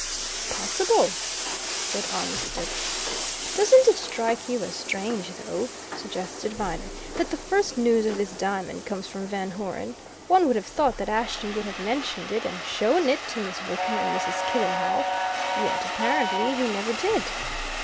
"Possible!" said Armitstead. "Doesn't it strike you as strange, though," suggested Viner, "that the first news of this diamond comes from Van Hoeren? One would have thought that Ashton would have mentioned it and shown it to Miss Wickham and Mrs. Killenhall. Yet apparently he never did."